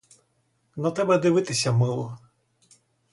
На тебе дивитися мило.